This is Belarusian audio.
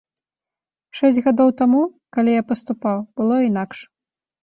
Шэсць гадоў таму, калі я паступаў, было інакш.